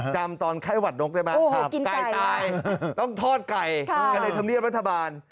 จำตอนไข้หวัดนกได้ไหมครับต้องทอดไก่กับในธรรมดีรัฐบาล